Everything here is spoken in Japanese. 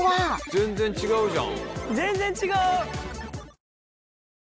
全然違うじゃん。